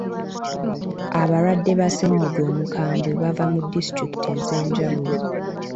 Abalwadde ba ssennyiga omukambwe bava mu disitulikiti ez'enjawulo.